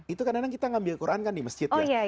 itu kadang kadang kita ngambil quran kan di masjid ya